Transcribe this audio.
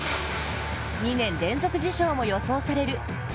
２年連続受賞も予想される